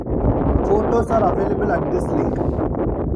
Photos are available at this link.